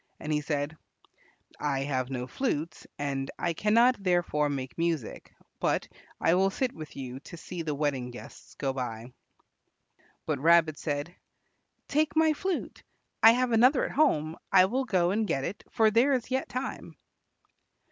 And he said, "I have no flute, and I cannot therefore make music; but I will sit with you to see the wedding guests go by." But Rabbit said, "Take my flute. I have another at home. I will go and get it, for there is yet time."